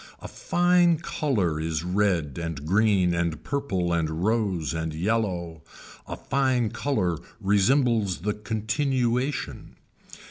A fine color is red and green and purple and rose and yellow, a fine color resembles the continuation.